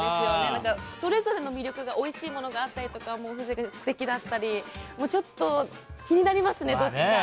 だからそれぞれの魅力が、おいしいものがあったりとか、風情がすてきだったり、ちょっと気になりますね、どっちも。